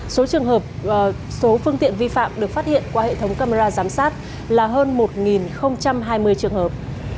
số trường hợp số phương tiện vi phạm được phát hiện qua hệ thống camera giám sát là hơn một hai mươi trường hợp